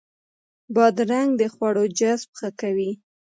بادرنګ د خوړو جذب ښه کوي.